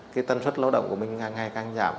cái tân suất lao động của mình ngay ngay càng giảm